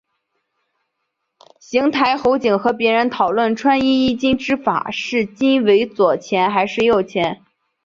行台侯景和别人讨论穿衣衣襟之法是襟为左前还是右前。